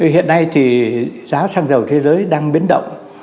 hiện nay thì giá xăng dầu thế giới đang biến động